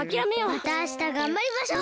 またあしたがんばりましょう！